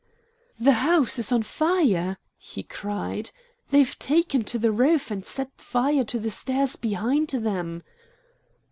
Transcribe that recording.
"The house is on fire!" he cried. "They've taken to the roof and set fire to the stairs behind them!"